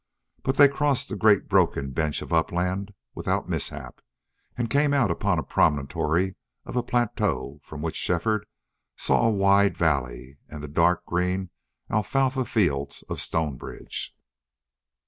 But they crossed the great broken bench of upland without mishap, and came out upon a promontory of a plateau from which Shefford saw a wide valley and the dark green alfalfa fields of Stonebridge.